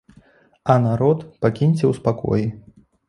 А народ пакіньце у спакоі.